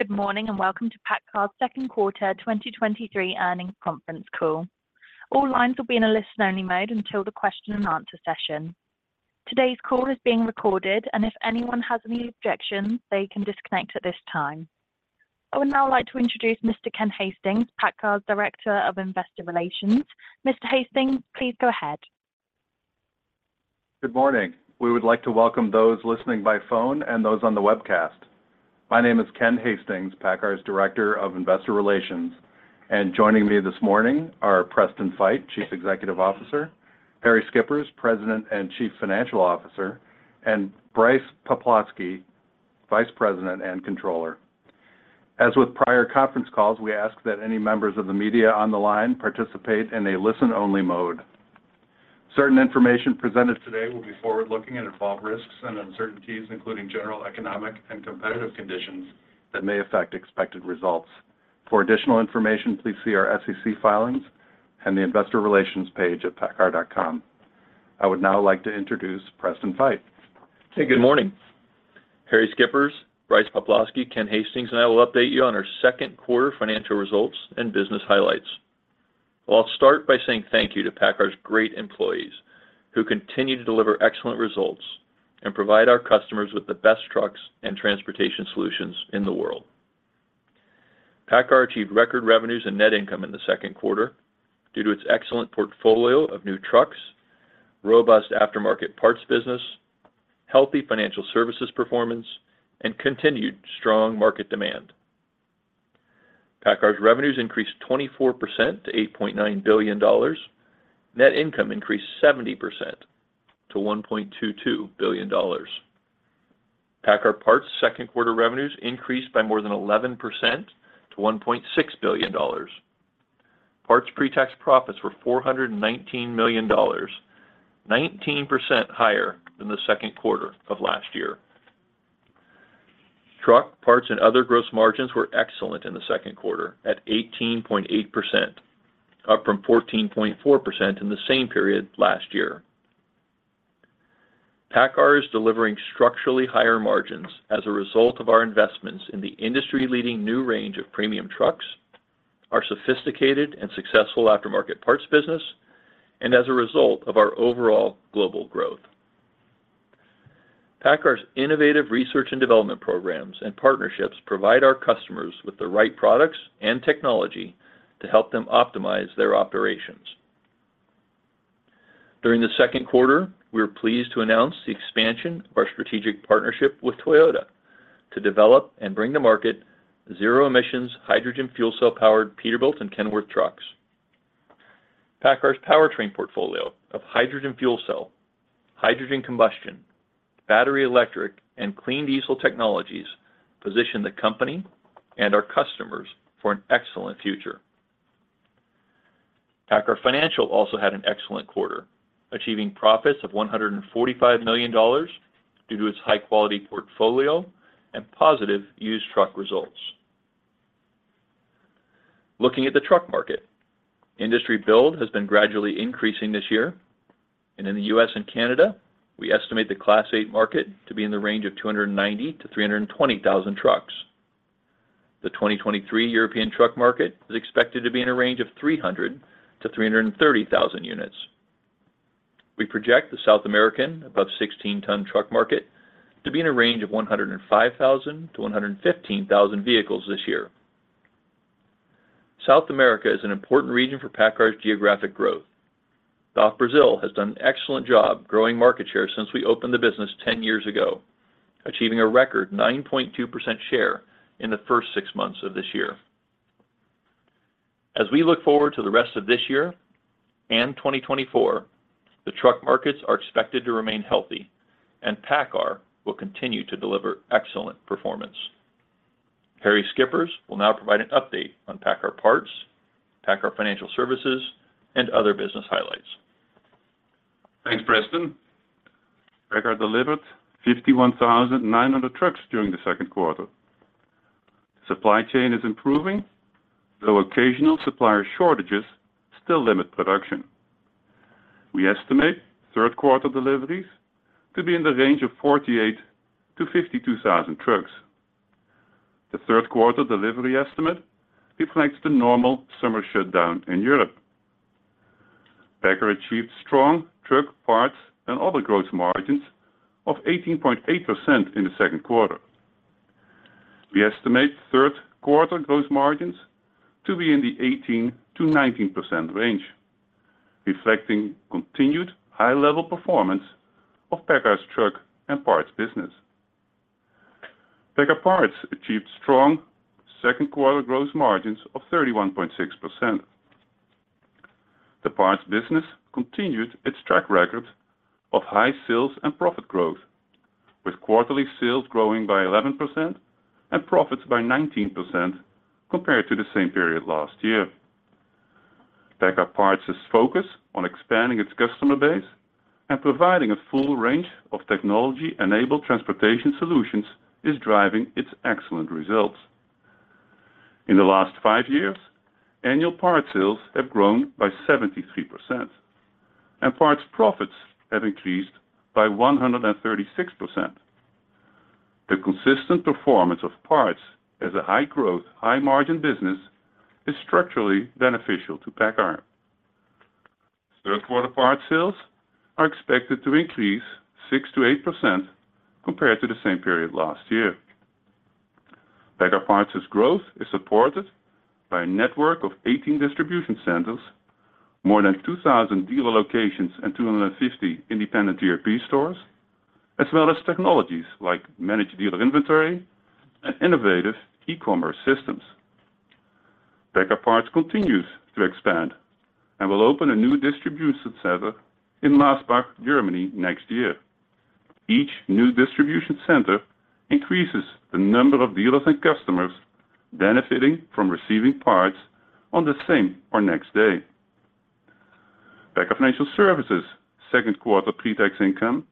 Good morning, and welcome to PACCAR's Q2 2023 earnings conference call. All lines will be in a listen-only mode until the question-and-answer session. Today's call is being recorded, and if anyone has any objections, they can disconnect at this time. I would now like to introduce Mr. Ken Hastings, PACCAR's Director of Investor Relations. Mr. Hastings, please go ahead. Good morning. We would like to welcome those listening by phone and those on the webcast. My name is Ken Hastings, PACCAR's Director of Investor Relations, and joining me this morning are Preston Feight, Chief Executive Officer, Harrie Schippers, President and Chief Financial Officer, and Brice Poplawski, Vice President and Controller. As with prior conference calls, we ask that any members of the media on the line participate in a listen-only mode. Certain information presented today will be forward-looking and involve risks and uncertainties, including general economic and competitive conditions that may affect expected results. For additional information, please see our SEC filings and the investor relations page at paccar.com. I would now like to introduce Preston Feight. Hey, good morning. Harrie Schippers, Brice Poplawski, Ken Hastings, and I will update you on our Q2 financial results and business highlights. Well, I'll start by saying thank you to PACCAR's great employees, who continue to deliver excellent results and provide our customers with the best trucks and transportation solutions in the world. PACCAR achieved record revenues and net income in the Q2 due to its excellent portfolio of new trucks, robust aftermarket parts business, healthy financial services performance, and continued strong market demand. PACCAR's revenues increased 24% to $8.9 billion. Net income increased 70% to $1.22 billion. PACCAR Parts Q2 revenues increased by more than 11% to $1.6 billion. Parts pre-tax profits were $419 million, 19% higher than the Q2 of last year. Truck parts and other gross margins were excellent in the Q2 at 18.8%, up from 14.4% in the same period last year. PACCAR is delivering structurally higher margins as a result of our investments in the industry-leading new range of premium trucks, our sophisticated and successful aftermarket parts business, and as a result of our overall global growth. PACCAR's innovative research and development programs and partnerships provide our customers with the right products and technology to help them optimize their operations. During the Q2, we were pleased to announce the expansion of our strategic partnership with Toyota to develop and bring to market zero-emissions, hydrogen fuel cell-powered Peterbilt and Kenworth trucks. PACCAR's powertrain portfolio of hydrogen fuel cell, hydrogen combustion, battery electric, and clean diesel technologies position the company and our customers for an excellent future. PACCAR Financial also had an excellent quarter, achieving profits of $145 million due to its high-quality portfolio and positive used truck results. Looking at the truck market, industry build has been gradually increasing this year, and in the US and Canada, we estimate the Class eight market to be in the range of 290,000-320,000 trucks. The 2023 European truck market is expected to be in a range of 300,000-330,000 units. We project the South American above 16-tonne truck market to be in a range of 105,000-115,000 vehicles this year. South America is an important region for PACCAR's geographic growth. DAF Brasil has done an excellent job growing market share since we opened the business 10 years ago, achieving a record 9.2% share in the first six months of this year. As we look forward to the rest of this year and 2024, the truck markets are expected to remain healthy, PACCAR will continue to deliver excellent performance. Harrie Schippers will now provide an update on PACCAR Parts, PACCAR Financial Services, and other business highlights. Thanks, Preston. PACCAR delivered 51,900 trucks during the Q2. Supply chain is improving, though occasional supplier shortages still limit production. We estimate Q3 deliveries to be in the range of 48,000-52,000 trucks. The Q3 delivery estimate reflects the normal summer shutdown in Europe. PACCAR achieved strong truck parts and other growth margins of 18.8% in the Q2. We estimate Q3 growth margins to be in the 18%-19% range, reflecting continued high-level performance of PACCAR's truck and parts business. PACCAR Parts achieved strong Q2 growth margins of 31.6%. The parts business continued its track record of high sales and profit growth, with quarterly sales growing by 11% and profits by 19% compared to the same period last year. PACCAR Parts' focus on expanding its customer base and providing a full range of technology-enabled transportation solutions is driving its excellent results. In the last five years, annual parts sales have grown by 73%, and parts profits have increased by 136%. The consistent performance of parts as a high-growth, high-margin business is structurally beneficial to PACCAR. Q3 parts sales are expected to increase 6%-8% compared to the same period last year. PACCAR Parts' growth is supported by a network of 18 distribution centers, more than 2,000 dealer locations and 250 independent TRP stores, as well as technologies like Managed Dealer Inventory and innovative e-commerce systems. PACCAR Parts continues to expand and will open a new distribution center in Massbach, Germany, next year. Each new distribution center increases the number of dealers and customers benefiting from receiving parts on the same or next day. PACCAR Financial Services' Q2 pretax income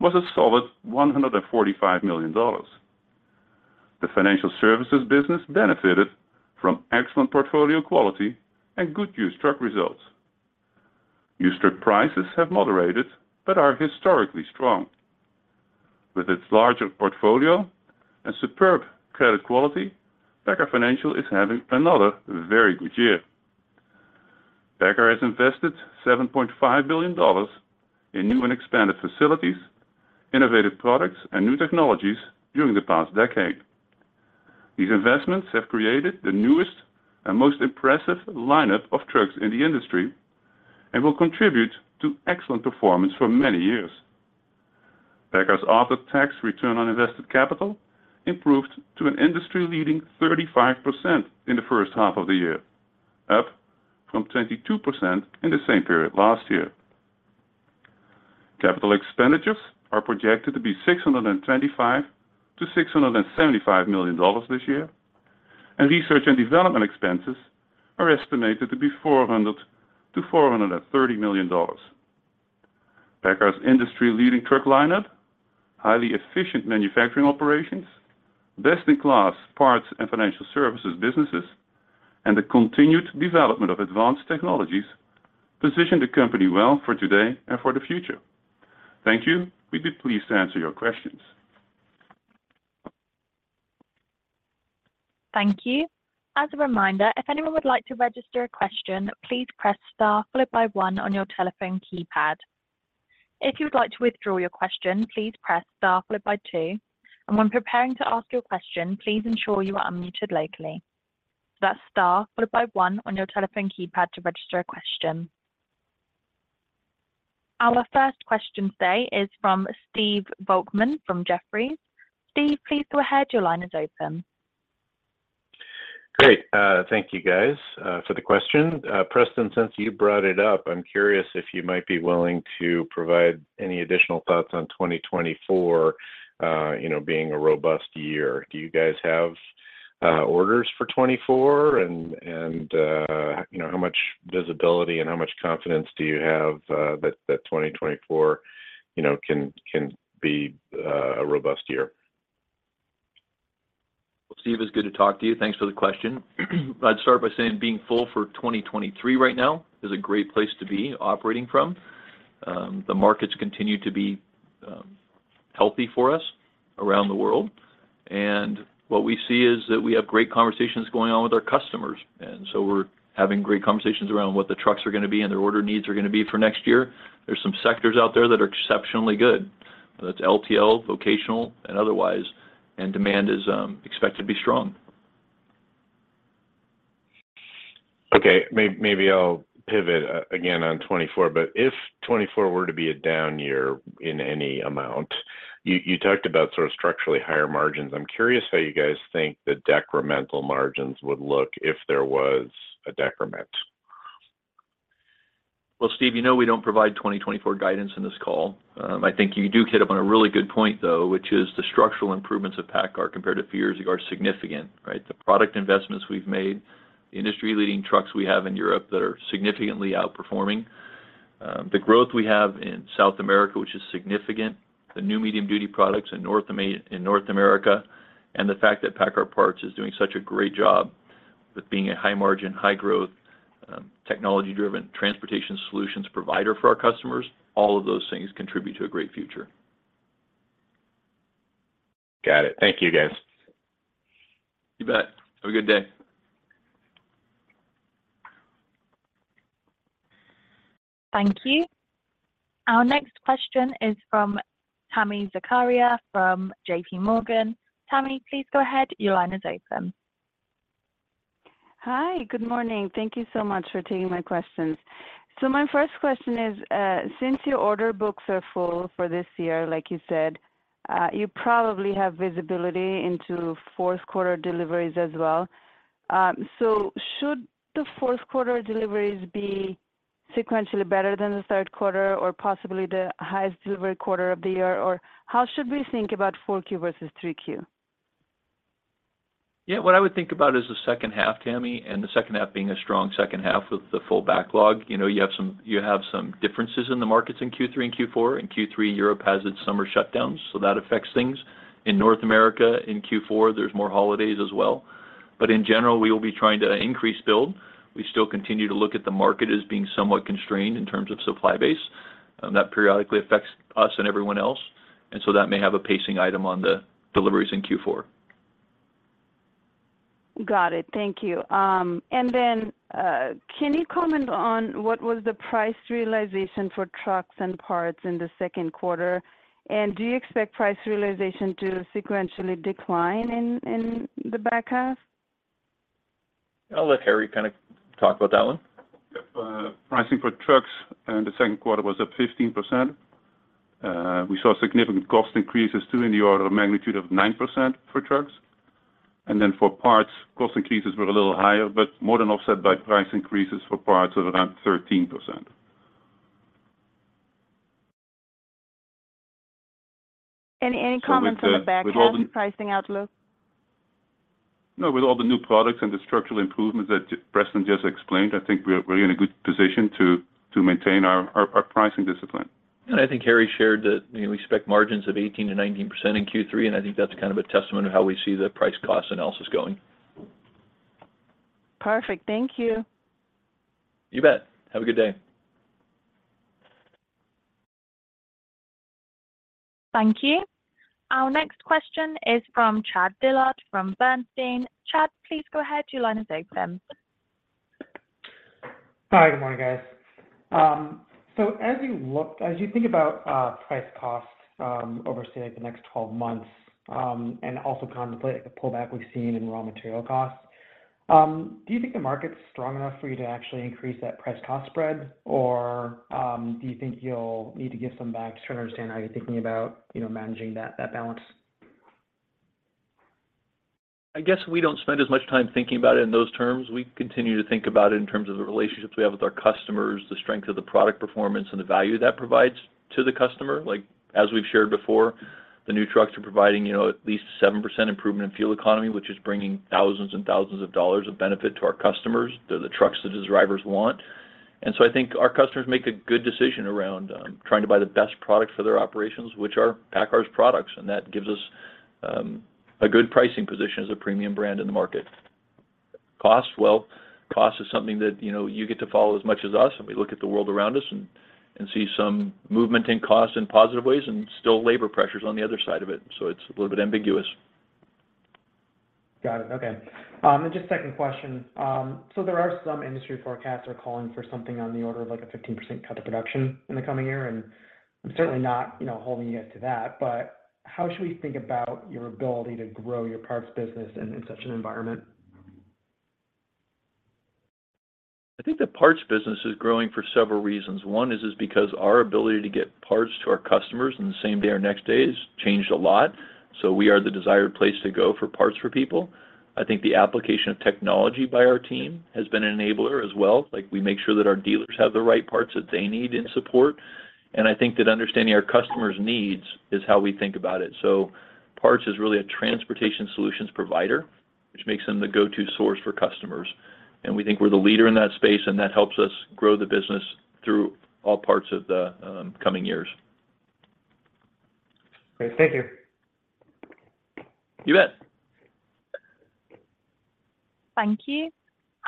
was a solid $145 million. The financial services business benefited from excellent portfolio quality and good used truck results. Used truck prices have moderated but are historically strong. With its larger portfolio and superb credit quality, PACCAR Financial is having another very good year. PACCAR has invested $7.5 billion in new and expanded facilities, innovative products, and new technologies during the past decade. These investments have created the newest and most impressive lineup of trucks in the industry and will contribute to excellent performance for many years. PACCAR's after-tax return on invested capital improved to an industry-leading 35% in the first half of the year, up from 22% in the same period last year. Capital expenditures are projected to be $625 million-$675 million this year, and research and development expenses are estimated to be $400 million-$430 million. PACCAR's industry-leading truck lineup, highly efficient manufacturing operations, best-in-class parts and financial services businesses, and the continued development of advanced technologies position the company well for today and for the future. Thank you. We'd be pleased to answer your questions. Thank you. As a reminder, if anyone would like to register a question, please press star followed by one on your telephone keypad. If you would like to withdraw your question, please press star followed by two, and when preparing to ask your question, please ensure you are unmuted locally. That's star followed by one on your telephone keypad to register a question. Our first question today is from Steve Volkmann from Jefferies. Steve, please go ahead. Your line is open. Great. Thank you, guys, for the question. Preston, since you brought it up, I'm curious if you might be willing to provide any additional thoughts on 2024, you know, being a robust year. Do you guys have orders for 2024? How much visibility and how much confidence do you have that 2024, you know, can be a robust year? Well, Steve, it's good to talk to you. Thanks for the question. I'd start by saying being full for 2023 right now is a great place to be operating from. The markets continue to be healthy for us around the world. What we see is that we have great conversations going on with our customers. We're having great conversations around what the trucks are going to be and their order needs are going to be for next year. There's some sectors out there that are exceptionally good, whether it's LTL, vocational, and otherwise. Demand is expected to be strong. Okay, maybe I'll pivot again on 2024, but if 2024 were to be a down year in any amount, you talked about sort of structurally higher margins. I'm curious how you guys think the decremental margins would look if there was a decrement? Steve, you know we don't provide 2024 guidance in this call. I think you do hit upon a really good point, though, which is the structural improvements of PACCAR compared to a few years ago are significant, right? The product investments we've made, the industry-leading trucks we have in Europe that are significantly outperforming, the growth we have in South America, which is significant, the new medium-duty products in North America, and the fact that PACCAR Parts is doing such a great job with being a high margin, high growth, technology-driven transportation solutions provider for our customers. All of those things contribute to a great future. Got it. Thank you, guys. You bet. Have a good day. Thank you. Our next question is from Tami Zakaria, from JPMorgan. Tammy, please go ahead. Your line is open. Hi, good morning. Thank you so much for taking my questions. My first question is, since your order books are full for this year, like you said, you probably have visibility into Q4 deliveries as well. Should the Q4 deliveries be sequentially better than the Q3, or possibly the highest delivery quarter of the year? Or how should we think about Q4 versus Q3? Yeah, what I would think about is the second half, Tami, and the second half being a strong second half with the full backlog. You know, you have some differences in the markets in Q3 and Q4. In Q3, Europe has its summer shutdowns, so that affects things. In North America, in Q4, there's more holidays as well. In general, we will be trying to increase build. We still continue to look at the market as being somewhat constrained in terms of supply base, and that periodically affects us and everyone else, and so that may have a pacing item on the deliveries in Q4. Got it. Thank you. Then, can you comment on what was the price realization for trucks and parts in the Q2? Do you expect price realization to sequentially decline in the back half? I'll let Harrie kind of talk about that one. Yep. Pricing for trucks in the Q2 was up 15%. We saw significant cost increases too, in the order of magnitude of 9% for trucks. For parts, cost increases were a little higher, but more than offset by price increases for parts of around 13%. Any comments on the back half? With all the-. pricing outlook? No, with all the new products and the structural improvements that Preston just explained, I think we're in a good position to maintain our pricing discipline. I think Harrie shared that, you know, we expect margins of 18%-19% in Q3, and I think that's kind of a testament to how we see the price cost analysis going. Perfect. Thank you. You bet. Have a good day. Thank you. Our next question is from Chad Dillard from Bernstein. Chad, please go ahead. Your line is open. Hi. Good morning, guys. As you think about price costs, over, say, like the next 12 months, and also contemplate, like, the pullback we've seen in raw material costs, do you think the market's strong enough for you to actually increase that price-cost spread? Do you think you'll need to give some back? Just trying to understand how you're thinking about, you know, managing that balance. I guess we don't spend as much time thinking about it in those terms. We continue to think about it in terms of the relationships we have with our customers, the strength of the product performance, and the value that provides to the customer. Like, as we've shared before, the new trucks are providing, you know, at least 7% improvement in fuel economy, which is bringing thousands and thousands of dollars of benefit to our customers. They're the trucks that the drivers want. I think our customers make a good decision around trying to buy the best product for their operations, which are PACCAR's products, and that gives us a good pricing position as a premium brand in the market. Cost, well, cost is something that, you know, you get to follow as much as us. We look at the world around us and see some movement in cost in positive ways and still labor pressures on the other side of it. It's a little bit ambiguous. Got it. Okay. Just a second question. There are some industry forecasts are calling for something on the order of, like, a 15% cut of production in the coming year, I'm certainly not, you know, holding you guys to that, but how should we think about your ability to grow your parts business in such an environment? I think the parts business is growing for several reasons. One is because our ability to get parts to our customers in the same day or next day has changed a lot, we are the desired place to go for parts for people. I think the application of technology by our team has been an enabler as well. Like, we make sure that our dealers have the right parts that they need in support, and I think that understanding our customers' needs is how we think about it. Parts is really a transportation solutions provider, which makes them the go-to source for customers, and we think we're the leader in that space, and that helps us grow the business through all parts of the coming years. Great. Thank you. You bet. Thank you.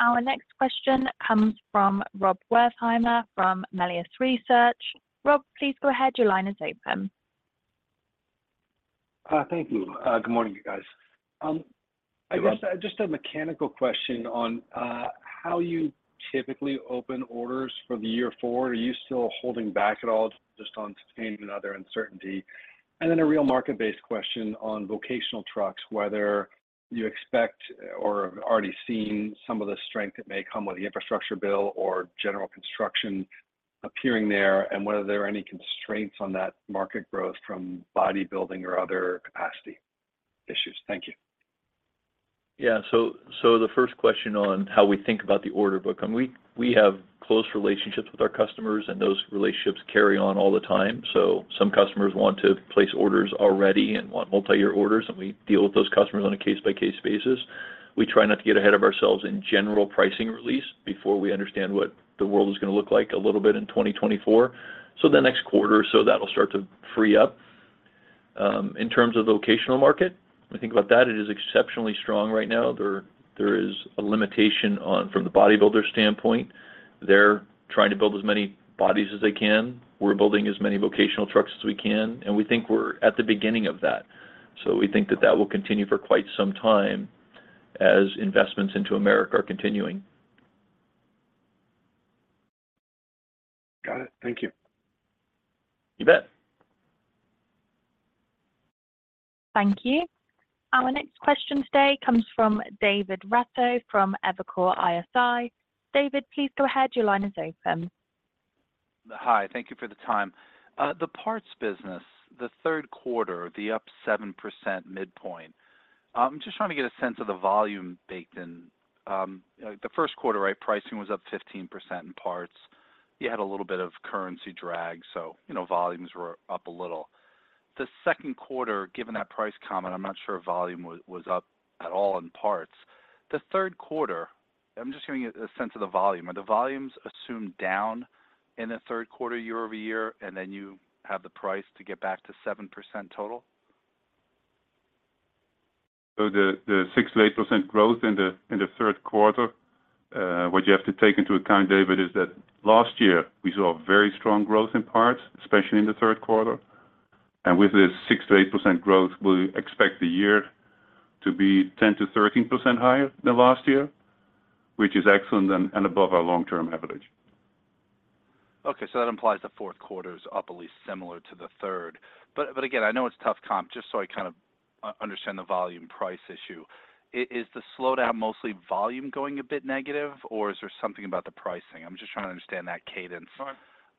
Our next question comes from Rob Wertheimer from Melius Research. Rob, please go ahead. Your line is open. Thank you. Good morning, you guys. I guess, just a mechanical question on how you typically open orders for the year forward? Are you still holding back at all, just on sustaining another uncertainty? A real market-based question on vocational trucks, whether you expect or have already seen some of the strength that may come with the infrastructure bill or general construction appearing there, and whether there are any constraints on that market growth from bodybuilding or other capacity issues? Thank you. Yeah. The first question on how we think about the order book, we have close relationships with our customers. Those relationships carry on all the time. Some customers want to place orders already and want multiyear orders. We deal with those customers on a case-by-case basis. We try not to get ahead of ourselves in general pricing release before we understand what the world is going to look like a little bit in 2024. The next quarter or so, that'll start to free up. In terms of the vocational market, when we think about that, it is exceptionally strong right now. There is a limitation from the bodybuilder standpoint. They're trying to build as many bodies as they can. We're building as many vocational trucks as we can. We think we're at the beginning of that. We think that that will continue for quite some time as investments into America are continuing. Got it. Thank you. You bet. Thank you. Our next question today comes from David Raso, from Evercore ISI. David, please go ahead. Your line is open. Hi. Thank you for the time. The parts business, the Q3, the up 7% midpoint. I'm just trying to get a sense of the volume baked in. The Q1, right, pricing was up 15% in parts. You had a little bit of currency drag, you know, volumes were up a little. The Q2, given that price comment, I'm not sure volume was up at all in parts. I'm just getting a sense of the volume. Are the volumes assumed down in the Q3 year-over-year, you have the price to get back to 7% total? The 6%-8% growth in the Q3, what you have to take into account, David, is that last year we saw very strong growth in parts, especially in the Q3, and with this 6%-8% growth, we expect the year to be 10%-13% higher than last year, which is excellent and above our long-term average. That implies the Q4's up at least similar to the third. Again, I know it's tough comp, just so I kind of understand the volume price issue. Is the slowdown mostly volume going a bit negative, or is there something about the pricing? I'm just trying to understand that cadence. Sure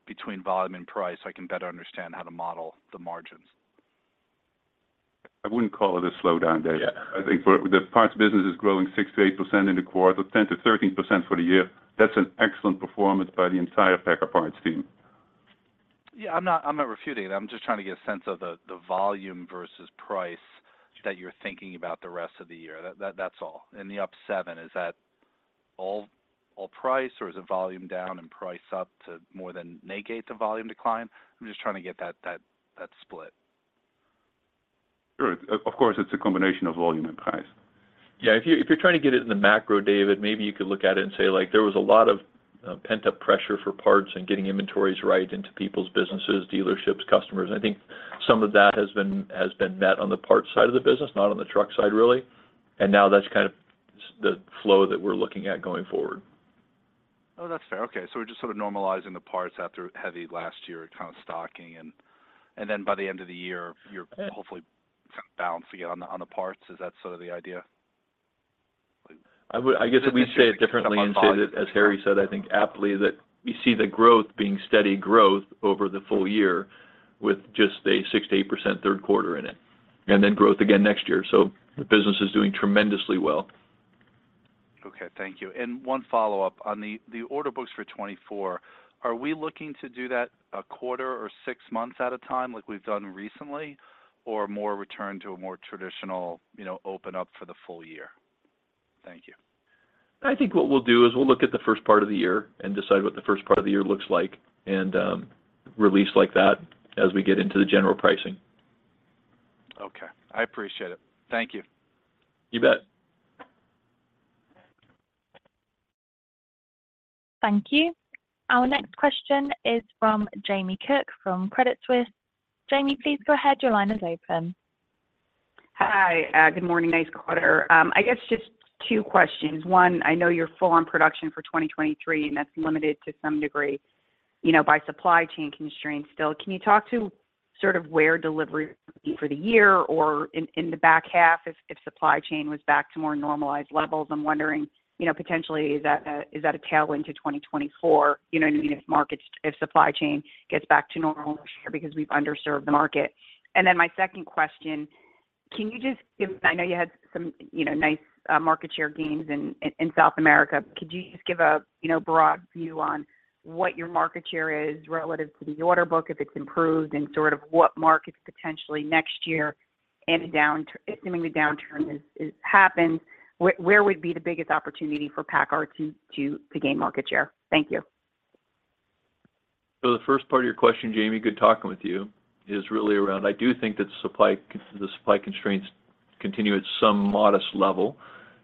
between volume and price, so I can better understand how to model the margins. I wouldn't call it a slowdown, David. Yeah. I think but the parts business is growing 6%-8% in the quarter, 10%-13% for the year. That's an excellent performance by the entire PACCAR Parts team. Yeah, I'm not refuting it. I'm just trying to get a sense of the volume versus price that you're thinking about the rest of the year. That's all. In the up seven, is that all price, or is it volume down and price up to more than negate the volume decline? I'm just trying to get that split. Sure. Of course, it's a combination of volume and price. Yeah, if you're trying to get it in the macro, David, maybe you could look at it and say, like, there was a lot of pent-up pressure for parts and getting inventories right into people's businesses, dealerships, customers. I think some of that has been met on the parts side of the business, not on the truck side, really, and now that's kind of the flow that we're looking at going forward. Oh, that's fair. Okay, we're just sort of normalizing the parts after a heavy last year of kind of stocking, and then by the end of the year, you're hopefully kind of balancing it on the, on the parts. Is that sort of the idea? I guess, we say it differently and say that, as Harrie said, I think aptly, that we see the growth being steady growth over the full year with just a 6%-8% Q3 in it, and then growth again next year. The business is doing tremendously well. Okay, thank you. One follow-up. On the order books for 2024, are we looking to do that a quarter or six months at a time like we've done recently, or more return to a more traditional, you know, open up for the full year? Thank you. I think what we'll do is we'll look at the first part of the year and decide what the first part of the year looks like, and release like that as we get into the general pricing. Okay. I appreciate it. Thank you. You bet. Thank you. Our next question is from Jamie Cook from Credit Suisse. Jamie, please go ahead. Your line is open. Hi. Good morning. Nice quarter. I guess just two questions. One, I know you're full on production for 2023, and that's limited to some degree, you know, by supply chain constraints still. Can you talk to sort of where delivery for the year or in the back half if supply chain was back to more normalized levels? I'm wondering, you know, potentially, is that a, is that a tailwind to 2024? You know what I mean, if markets if supply chain gets back to normal this year because we've underserved the market. My second question, can you just give... I know you had some, you know, nice market share gains in, in South America. Could you just give a, you know, broad view on what your market share is relative to the order book, if it's improved, and sort of what markets potentially next year and a downturn, assuming the downturn is happened, where would be the biggest opportunity for PACCAR to gain market share? Thank you. The first part of your question, Jamie, good talking with you, is really around... I do think that the supply constraints continue at some modest level,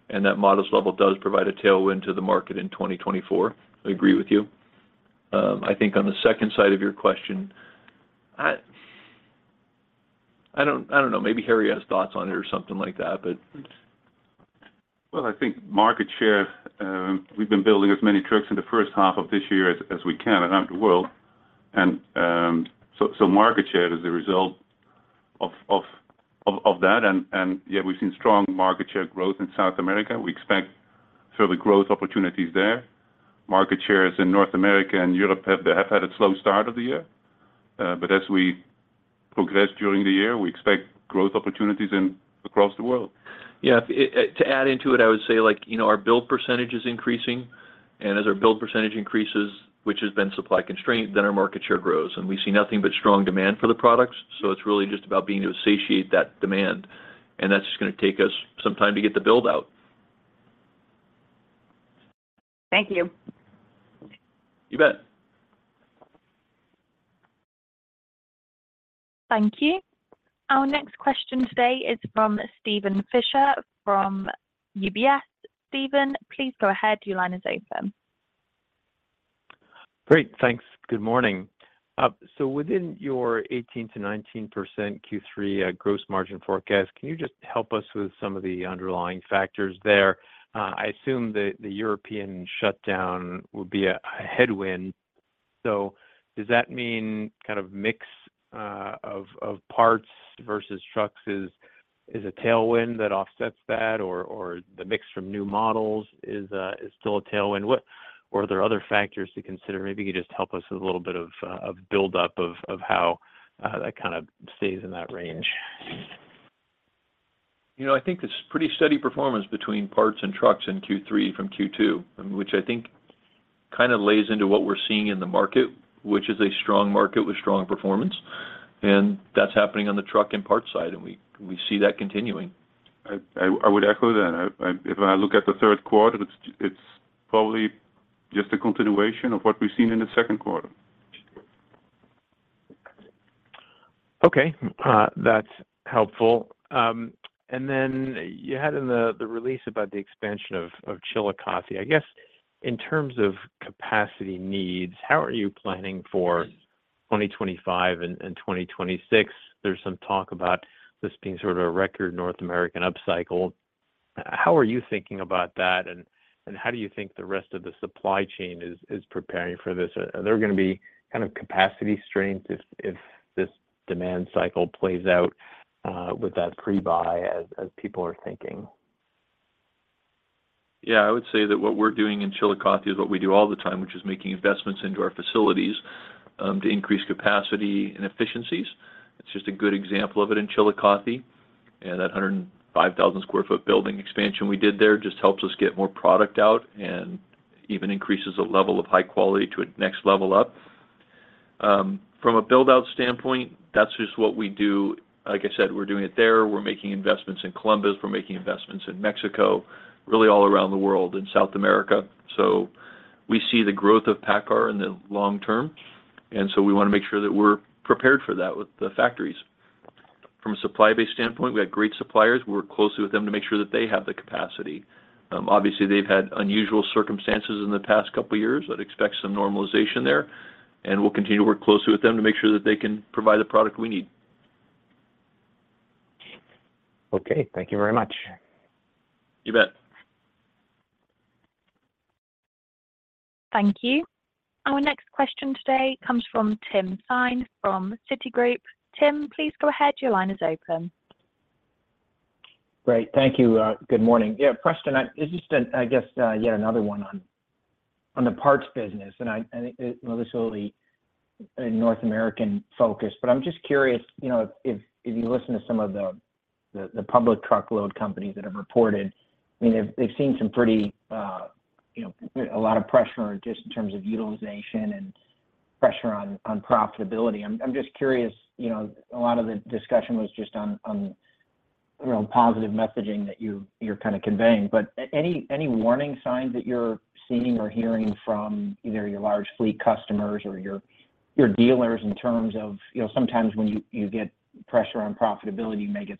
and that modest level does provide a tailwind to the market in 2024. I agree with you. I think on the second side of your question, I don't know. Maybe Harrie Schippers has thoughts on it or something like that. Well, I think market share, we've been building as many trucks in the first half of this year as we can around the world. So market share is the result of that, and yet we've seen strong market share growth in South America. We expect further growth opportunities there. Market shares in North America and Europe have had a slow start of the year, but as we progress during the year, we expect growth opportunities in across the world. Yeah, to add into it, I would say, like, you know, our build percentage is increasing, and as our build percentage increases, which has been supply constraint, then our market share grows. We see nothing but strong demand for the products, so it's really just about being able to satiate that demand, and that's just gonna take us some time to get the build-out. Thank you. You bet. Thank you. Our next question today is from Steven Fisher from UBS. Steven, please go ahead. Your line is open. Great, thanks. Good morning. Within your 18%-19% Q3 gross margin forecast, can you just help us with some of the underlying factors there? I assume the European shutdown would be a headwind. Does that mean kind of mix of parts versus trucks is a tailwind that offsets that, or the mix from new models is still a tailwind? Or are there other factors to consider? Maybe you could just help us with a little bit of buildup of how that kind of stays in that range. You know, I think it's pretty steady performance between parts and trucks in Q3 from Q2, which kind of lays into what we're seeing in the market, which is a strong market with strong performance, and that's happening on the truck and parts side, and we see that continuing. I would echo that. If I look at the Q3, it's probably just a continuation of what we've seen in the Q2. That's helpful. Then you had in the release about the expansion of Chillicothe. I guess, in terms of capacity needs, how are you planning for 2025 and 2026? There's some talk about this being sort of a record North American upcycle. How are you thinking about that, and how do you think the rest of the supply chain is preparing for this? Are there going to be kind of capacity strains if this demand cycle plays out with that pre-buy as people are thinking? I would say that what we're doing in Chillicothe is what we do all the time, which is making investments into our facilities to increase capacity and efficiencies. It's just a good example of it in Chillicothe, and that 105,000 sq ft building expansion we did there just helps us get more product out and even increases the level of high quality to a next level up. From a build-out standpoint, that's just what we do. Like I said, we're doing it there. We're making investments in Columbus. We're making investments in Mexico, really all around the world, in South America. We see the growth of PACCAR in the long term, and so we want to make sure that we're prepared for that with the factories. From a supply-based standpoint, we have great suppliers. We work closely with them to make sure that they have the capacity. Obviously, they've had unusual circumstances in the past couple of years. I'd expect some normalization there, and we'll continue to work closely with them to make sure that they can provide the product we need. Okay. Thank you very much. You bet. Thank you. Our next question today comes from Tim Thein from Citigroup. Tim, please go ahead. Your line is open. Great. Thank you. Good morning. Yeah, Preston, it's just, I guess, yet another one on the parts business, and well, this will be a North American focus. I'm just curious, you know, if you listen to some of the public truckload companies that have reported, I mean, they've seen some pretty, you know, a lot of pressure just in terms of utilization and pressure on profitability. I'm just curious, you know, a lot of the discussion was just on, you know, positive messaging that you're kind of conveying. Any warning signs that you're seeing or hearing from either your large fleet customers or your dealers in terms of, you know, sometimes when you get pressure on profitability, you may get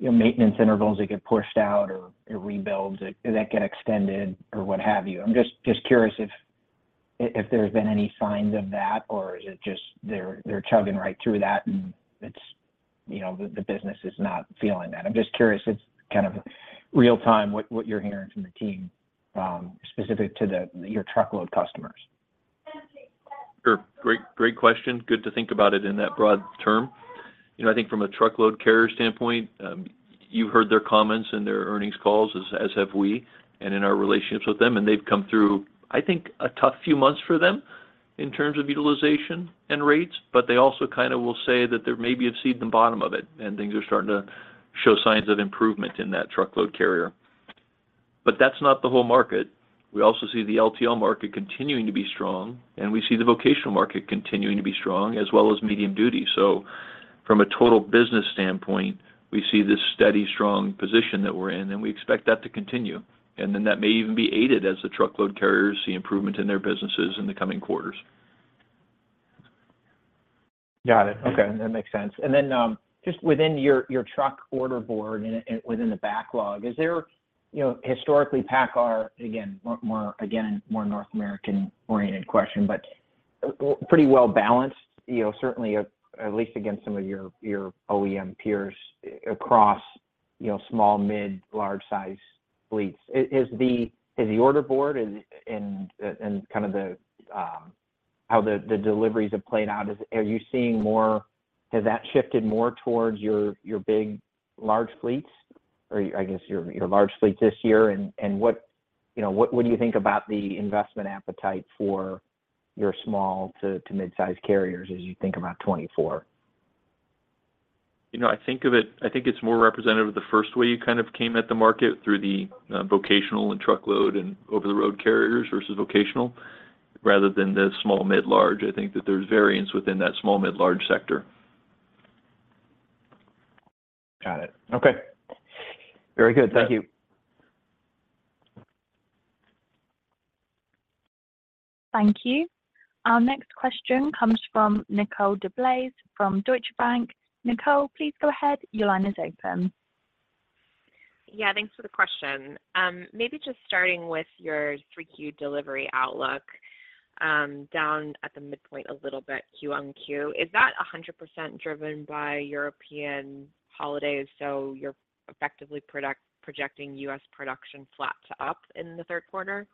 some, you know, maintenance intervals that get pushed out or rebuilds that get extended or what have you? I'm just curious if there's been any signs of that, or is it just they're chugging right through that, and it's, you know, the business is not feeling that? I'm just curious. It's kind of real time, what you're hearing from the team, specific to your truckload customers. Sure. Great, great question. Good to think about it in that broad term. You know, I think from a truckload carrier standpoint, you've heard their comments in their earnings calls, as have we, and in our relationships with them, and they've come through, I think, a tough few months for them in terms of utilization and rates, but they also kind of will say that they maybe have seen the bottom of it, and things are starting to show signs of improvement in that truckload carrier. That's not the whole market. We also see the LTL market continuing to be strong, and we see the vocational market continuing to be strong, as well as medium-duty. From a total business standpoint, we see this steady, strong position that we're in, and we expect that to continue. That may even be aided as the truckload carriers see improvement in their businesses in the coming quarters. Got it. Okay. That makes sense. Just within your truck order board and within the backlog, is there... You know, historically, PACCAR, again, more, again, more North American-oriented question, but pretty well balanced, you know, certainly at least against some of your OEM peers across, you know, small, mid, large-size fleets. Is the order board and, and kind of the, how the deliveries have played out, are you seeing more- has that shifted more towards your big, large fleets, or I guess your large fleets this year? What, you know, what do you think about the investment appetite for your small to mid-sized carriers as you think about 2024? You know, I think it's more representative of the first way you kind of came at the market through the vocational and truckload and over-the-road carriers versus vocational, rather than the small, mid, large. I think that there's variance within that small, mid, large sector. Got it. Okay. Very good. Thank you. Thank you. Our next question comes from Nicole DeBlase from Deutsche Bank. Nicole, please go ahead. Your line is open. Yeah, thanks for the question. Maybe just starting with your Q3 delivery outlook, down at the midpoint a little bit, quarter-over-quarter. Is that 100% driven by European holidays, so you're effectively projecting U.S. production flat to up in the Q3?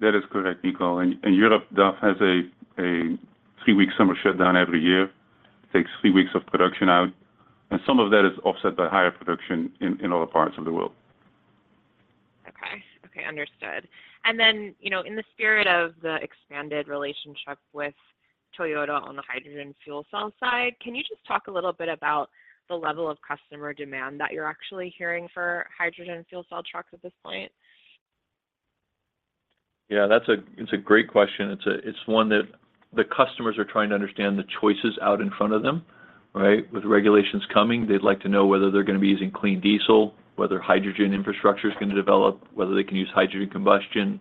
That is correct, Nicole, and Europe has a three-week summer shutdown every year, takes three weeks of production out, and some of that is offset by higher production in other parts of the world. Okay. Okay, understood. Then, you know, in the spirit of the expanded relationship with Toyota on the hydrogen fuel cell side. Can you just talk a little bit about the level of customer demand that you're actually hearing for hydrogen fuel cell trucks at this point? Yeah, that's a, it's a great question. It's a, it's one that the customers are trying to understand the choices out in front of them, right? With regulations coming, they'd like to know whether they're going to be using clean diesel, whether hydrogen infrastructure is going to develop, whether they can use hydrogen combustion,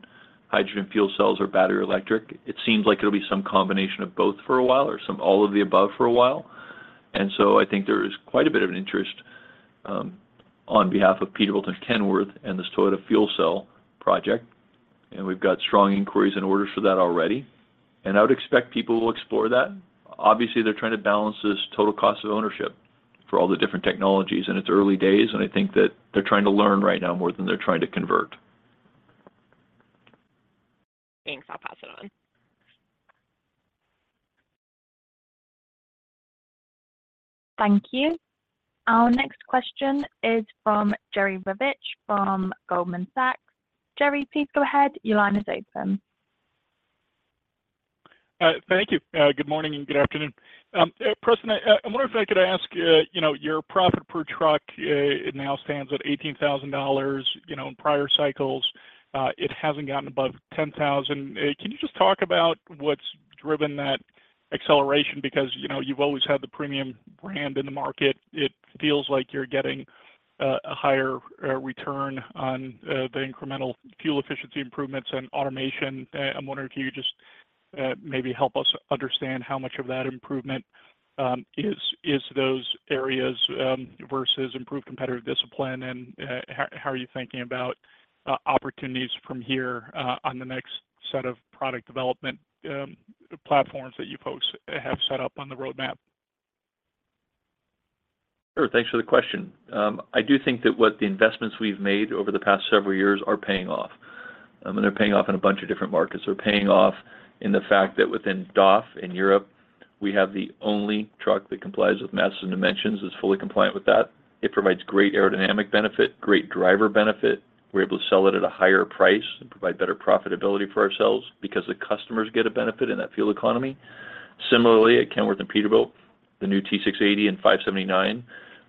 hydrogen fuel cells or battery electric. It seems like it'll be some combination of both for a while or some all of the above for a while. I think there is quite a bit of an interest, on behalf of Peterbilt and Kenworth and this Toyota Fuel Cell project, and we've got strong inquiries and orders for that already. I would expect people will explore that. They're trying to balance this total cost of ownership for all the different technologies, and it's early days, and I think that they're trying to learn right now more than they're trying to convert. Thanks. I'll pass it on. Thank you. Our next question is from Jerry Revich, from Goldman Sachs. Jerry, please go ahead. Your line is open. Thank you. Good morning and good afternoon. Preston, I wonder if I could ask you know, your profit per truck, it now stands at $18,000, you know, in prior cycles, it hasn't gotten above $10,000. Can you just talk about what's driven that acceleration? Because, you know, you've always had the premium brand in the market. It feels like you're getting a higher return on the incremental fuel efficiency improvements and automation. I'm wondering if you just maybe help us understand how much of that improvement is those areas versus improved competitive discipline, and how are you thinking about opportunities from here on the next set of product development platforms that you folks have set up on the roadmap? Sure. Thanks for the question. I do think that what the investments we've made over the past several years are paying off, and they're paying off in a bunch of different markets. They're paying off in the fact that within DAF in Europe, we have the only truck that complies with mass and dimensions, is fully compliant with that. It provides great aerodynamic benefit, great driver benefit. We're able to sell it at a higher price and provide better profitability for ourselves because the customers get a benefit in that fuel economy. Similarly, at Kenworth and Peterbilt, the new T680 and 579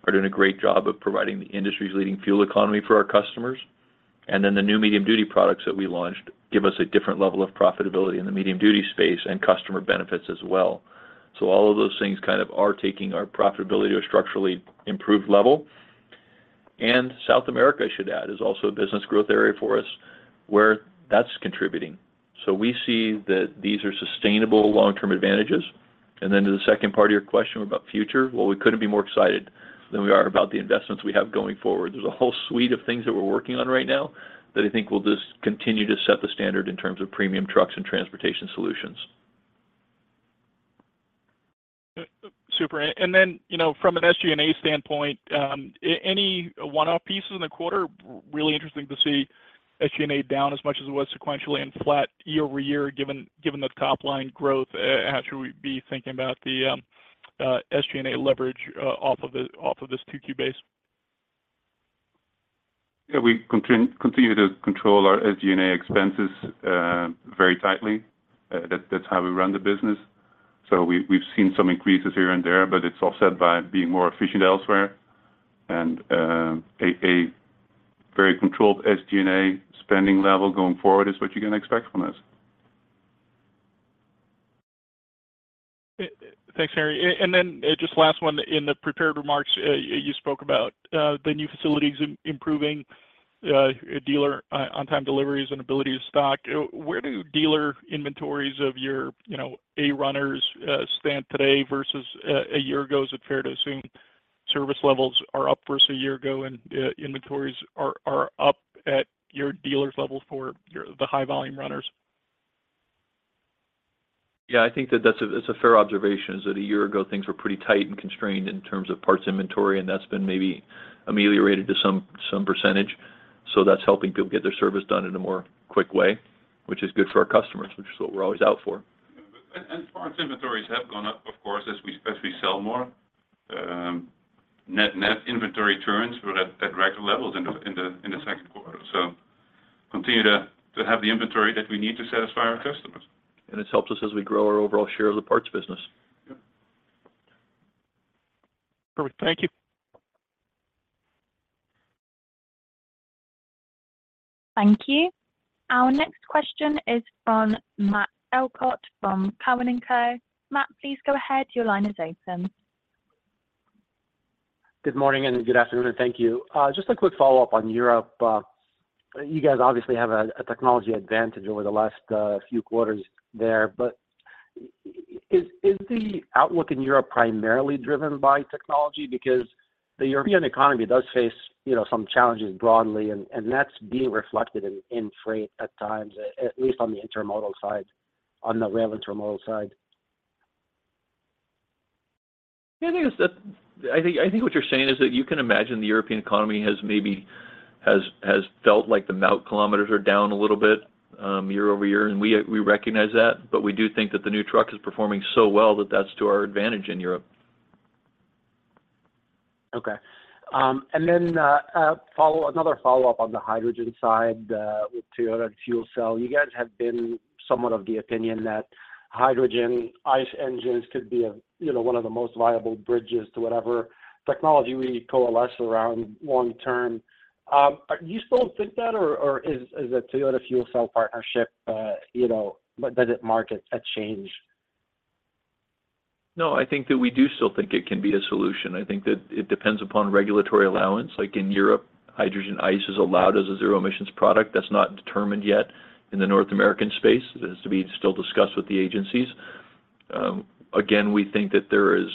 are doing a great job of providing the industry's leading fuel economy for our customers. The new medium-duty products that we launched give us a different level of profitability in the medium-duty space and customer benefits as well. All of those things kind of are taking our profitability to a structurally improved level. South America, I should add, is also a business growth area for us where that's contributing. We see that these are sustainable long-term advantages. Then to the second part of your question about future, well, we couldn't be more excited than we are about the investments we have going forward. There's a whole suite of things that we're working on right now that I think will just continue to set the standard in terms of premium trucks and transportation solutions. Super. you know, from an SG&A standpoint, any one-off pieces in the quarter, really interesting to see SG&A down as much as it was sequentially and flat year-over-year, given the top line growth, how should we be thinking about the SG&A leverage, off of this Q2 base? Yeah, we continue to control our SG&A expenses very tightly. That's how we run the business. We've seen some increases here and there, but it's offset by being more efficient elsewhere. A very controlled SG&A spending level going forward is what you're going to expect from us. Thanks, Harrie. Then, just last one. In the prepared remarks, you spoke about the new facilities improving dealer on-time deliveries and ability to stock. Where do dealer inventories of your, you know, A runners, stand today versus a year ago? Is it fair to assume service levels are up versus a year ago, and inventories are up at your dealers level for your, the high volume runners? I think it's a fair observation, is that a year ago, things were pretty tight and constrained in terms of parts inventory, and that's been maybe ameliorated to some percentage. That's helping people get their service done in a more quick way, which is good for our customers, which is what we're always out for. Parts inventories have gone up, of course, as we especially sell more. Net inventory turns were at record levels in the Q2. Continue to have the inventory that we need to satisfy our customers. It helps us as we grow our overall share of the parts business. Yeah. Perfect. Thank you. Thank you. Our next question is from Matt Elkott from Cowen & Co. Matt, please go ahead. Your line is open. Good morning, good afternoon, and thank you. Just a quick follow-up on Europe. You guys obviously have a technology advantage over the last few quarters there, but is the outlook in Europe primarily driven by technology? The European economy does face, you know, some challenges broadly, and that's being reflected in freight at times, at least on the intermodal side, on the rail intermodal side. Yeah, I think what you're saying is that you can imagine the European economy has felt like the mount kilometers are down a little bit year-over-year, and we recognize that. We do think that the new truck is performing so well that that's to our advantage in Europe. Okay. Another follow-up on the hydrogen side, with Toyota Fuel Cell. You guys have been somewhat of the opinion that hydrogen ICE engines could be a, you know, one of the most viable bridges to whatever technology we coalesce around long term. Do you still think that, or is the Toyota Fuel Cell partnership, you know, does it mark a change? I think that we do still think it can be a solution. I think that it depends upon regulatory allowance. Like in Europe, hydrogen ICE is allowed as a zero-emissions product. That's not determined yet in the North American space. It has to be still discussed with the agencies. Again, we think that there is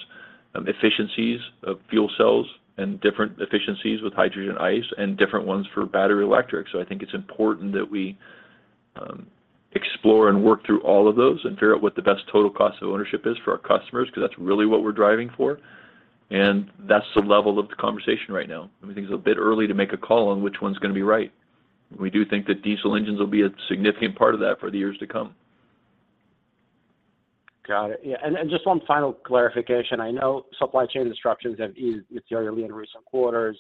efficiencies of fuel cells and different efficiencies with hydrogen ICE and different ones for battery electric. I think it's important that we explore and work through all of those and figure out what the best total cost of ownership is for our customers, because that's really what we're driving for, and that's the level of the conversation right now. I think it's a bit early to make a call on which one's going to be right. We do think that diesel engines will be a significant part of that for the years to come. Got it. Yeah, and just one final clarification. I know supply chain disruptions have eased materially in recent quarters,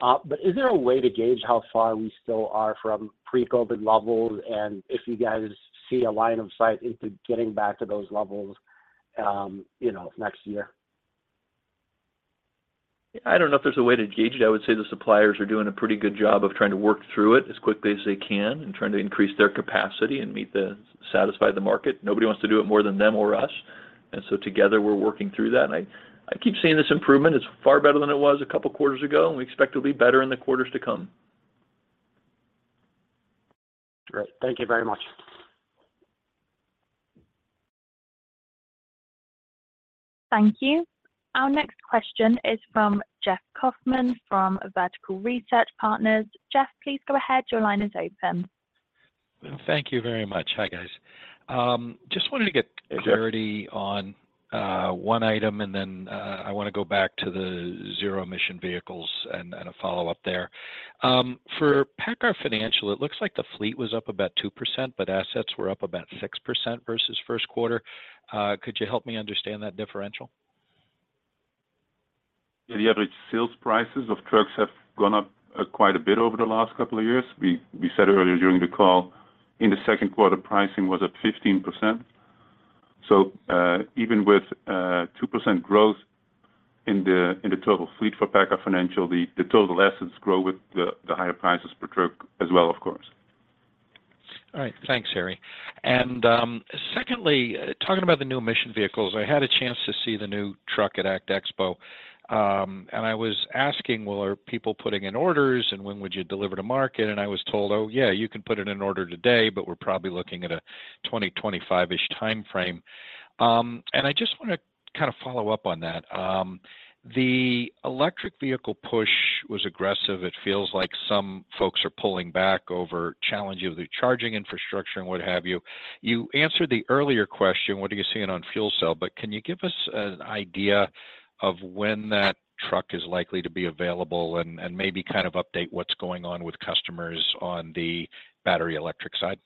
but is there a way to gauge how far we still are from pre-COVID levels, and if you guys see a line of sight into getting back to those levels, you know, next year? I don't know if there's a way to gauge it. I would say the suppliers are doing a pretty good job of trying to work through it as quickly as they can and trying to increase their capacity and satisfy the market. Nobody wants to do it more than them or us, together, we're working through that. I keep seeing this improvement. It's far better than it was a couple quarters ago, we expect it to be better in the quarters to come. Great. Thank you very much. Thank you. Our next question is from Jeff Kauffman from Vertical Research Partners. Jeff, please go ahead. Your line is open. Thank you very much. Hi, guys. just wanted to. Hey, Jeff. Clarity on one item, and then I want to go back to the zero-emission vehicles and a follow-up there. For PACCAR Financial, it looks like the fleet was up about 2%, but assets were up about 6% versus Q1. Could you help me understand that differential? Yeah, the average sales prices of trucks have gone up quite a bit over the last couple of years. We said earlier during the call, in the Q2, pricing was up 15%. Even with 2% growth in the total fleet for PACCAR Financial, the total assets grow with the higher prices per truck as well, of course. All right. Thanks, Harrie. Secondly, talking about the new emission vehicles, I had a chance to see the new truck at ACT Expo. I was asking, "Well, are people putting in orders, and when would you deliver to market?" I was told, "Oh, yeah, you can put in an order today, but we're probably looking at a 2025-ish timeframe." I just want to kind of follow up on that. The electric vehicle push was aggressive. It feels like some folks are pulling back over challenges with the charging infrastructure and what have you. You answered the earlier question, what are you seeing on fuel cell? Can you give us an idea of when that truck is likely to be available and maybe kind of update what's going on with customers on the battery electric side?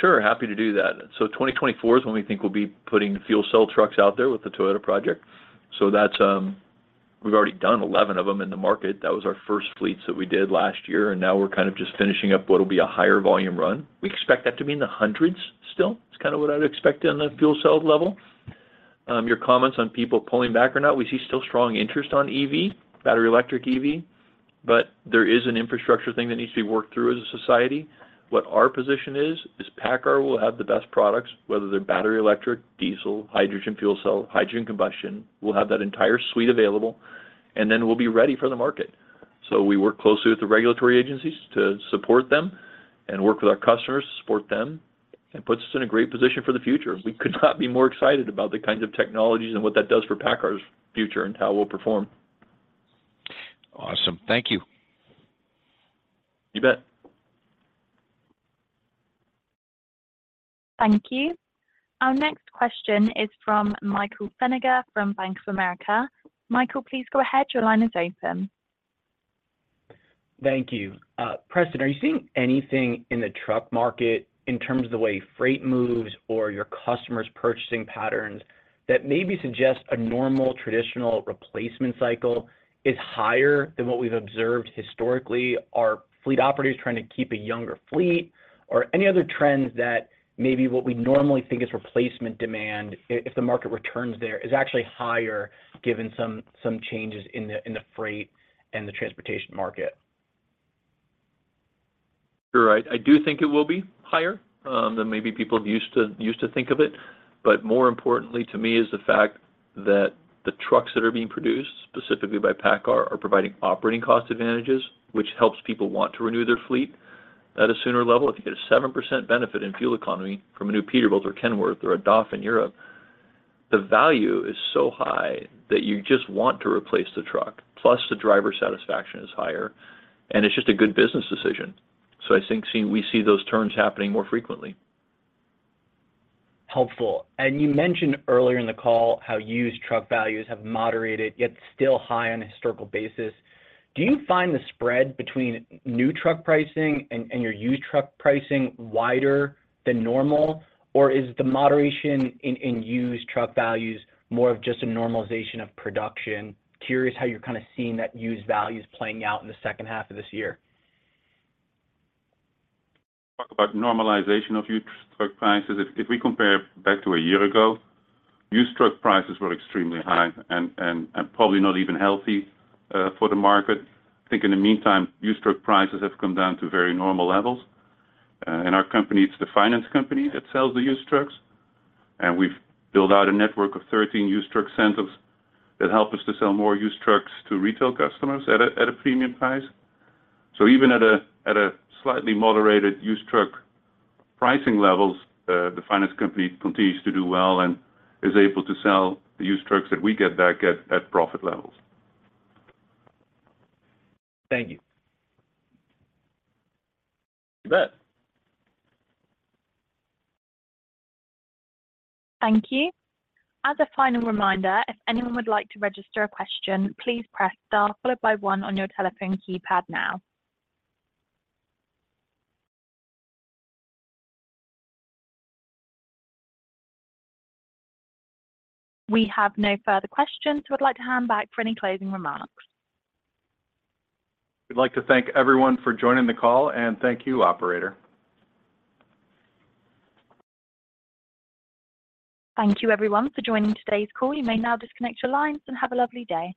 Sure, happy to do that. 2024 is when we think we'll be putting hydrogen fuel cell trucks out there with the Toyota project. We've already done 11 of them in the market. That was our first fleets that we did last year, and now we're kind of just finishing up what will be a higher volume run. We expect that to be in the hundreds still. It's kind of what I'd expect on the hydrogen fuel cell level. Your comments on people pulling back or not, we see still strong interest on EV, battery electric EV, but there is an infrastructure thing that needs to be worked through as a society. What our position is PACCAR will have the best products, whether they're battery electric, diesel, hydrogen fuel cell, hydrogen combustion. We'll have that entire suite available, and then we'll be ready for the market. We work closely with the regulatory agencies to support them and work with our customers to support them. It puts us in a great position for the future. We could not be more excited about the kinds of technologies and what that does for PACCAR's future and how we'll perform. Awesome. Thank you. You bet. Thank you. Our next question is from Michael Feniger, from Bank of America. Michael, please go ahead. Your line is open. Thank you. Preston, are you seeing anything in the truck market in terms of the way freight moves or your customers' purchasing patterns that maybe suggests a normal traditional replacement cycle is higher than what we've observed historically? Are fleet operators trying to keep a younger fleet or any other trends that maybe what we normally think is replacement demand, if the market returns there, is actually higher given some changes in the freight and the transportation market? Sure. I do think it will be higher than maybe people used to think of it. More importantly to me is the fact that the trucks that are being produced, specifically by PACCAR, are providing operating cost advantages, which helps people want to renew their fleet at a sooner level. If you get a 7% benefit in fuel economy from a new Peterbilt or Kenworth or a DAF in Europe, the value is so high that you just want to replace the truck, plus the driver satisfaction is higher, and it's just a good business decision. I think we see those turns happening more frequently. Helpful. You mentioned earlier in the call how used truck values have moderated, yet still high on a historical basis. Do you find the spread between new truck pricing and your used truck pricing wider than normal, or is the moderation in used truck values more of just a normalization of production? Curious how you're kind of seeing that used values playing out in the second half of this year. Talk about normalization of used truck prices. If we compare back to a year ago, used truck prices were extremely high and probably not even healthy for the market. I think in the meantime, used truck prices have come down to very normal levels. Our company, it's the finance company that sells the used trucks, and we've built out a network of 13 used truck centers that help us to sell more used trucks to retail customers at a premium price. Even at a slightly moderated used truck pricing levels, the finance company continues to do well and is able to sell the used trucks that we get back at profit levels. Thank you. You bet. Thank you. As a final reminder, if anyone would like to register a question, please press Star followed by one on your telephone keypad now. We have no further questions. I'd like to hand back for any closing remarks. We'd like to thank everyone for joining the call, and thank you, operator. Thank you, everyone, for joining today's call. You may now disconnect your lines and have a lovely day.